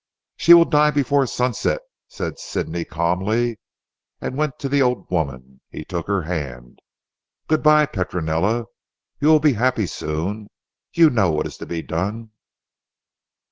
"She will die before sunset," said Sidney calmly, and went to the old women. He took her hand. "Good bye Petronella. You will be happy soon. You know what is to be done."